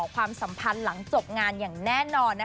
ความสัมพันธ์หลังจบงานอย่างแน่นอน